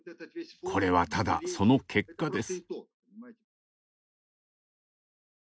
これはただその結果です。